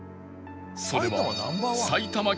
それは